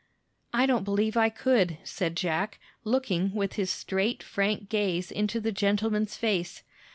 "I don't believe I could," said Jack, looking with his straight, frank gaze into the gentleman's face.